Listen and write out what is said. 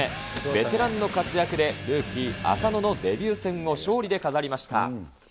ベテランの活躍で、ルーキー、浅野のデビュー戦を勝利で飾りました。